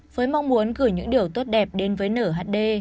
với mong muốn gửi những điều tốt đẹp đến với nửa hd